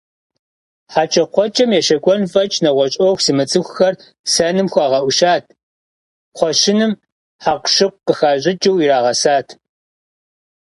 ХьэкӀэкхъуэкӀэм ещэкӀуэн фӀэкӀ нэгъуэщӀ Ӏуэху зымыцӀыхухэр сэным хуагъэӀущат, кхъуэщыным хьэкъущыкъу къыхащӀыкӀыу ирагъэсат.